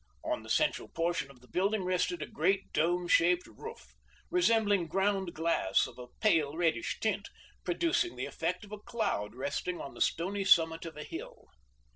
On the central portion of the building rested a great dome shaped roof, resembling ground glass of a pale reddish tint, producing the effect of a cloud resting on the stony summit of a hill.